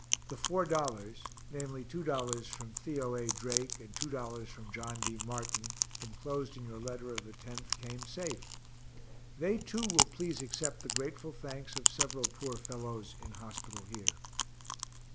The $4, namely $2 from Theo A. Drake and $2 from John D. Martin, enclosed in your letter of the 10th, came safe. They too will please accept the grateful thanks of several poor fellows, in hospital here.